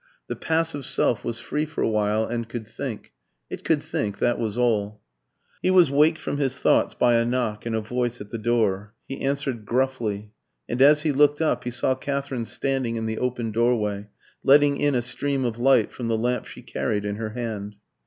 The passive self was free for a while and could think. It could think that was all. He was waked from his thoughts by a knock and a voice at the door. He answered gruffly, and as he looked up he saw Katherine standing in the open doorway, letting in a stream of light from the lamp she carried in her hand.